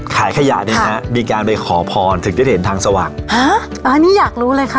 ขายขยะเนี้ยนะฮะค่ะมีการไปขอพรถึงจะได้เห็นทางสว่าง